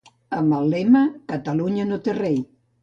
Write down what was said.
Amb el lema Catalunya no té rei